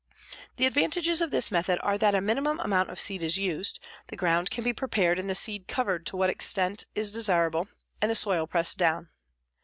The advantages of this method are that a minimum amount of seed is used; the ground can be prepared and the seed covered to whatever extent is desirable, and the soil pressed down.